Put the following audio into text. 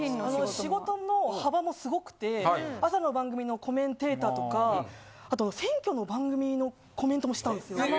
あの仕事の幅も凄くて朝の番組のコメンテーターとかあと選挙の番組のコメントもしたんですよ。